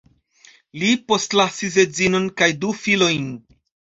Li postlasis edzinon kaj du filojn.